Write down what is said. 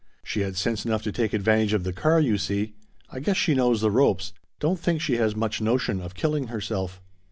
She had sense enough to take advantage of the car, you see. I guess she knows the ropes. Don't think she has much notion of killing herself."